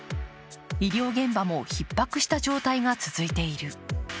医療現場もひっ迫した状態が続いている。